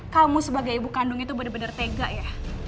kamu sebagai ibu kandung itu bener bener tega ya